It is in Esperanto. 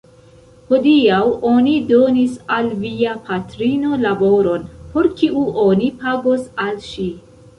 Hodiaŭ oni donis al via patrino laboron, por kiu oni pagos al ŝi.